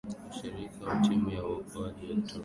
washiriki wa timu ya uokoaji walitoroka